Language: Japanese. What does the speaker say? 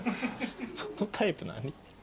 そのタイプ何？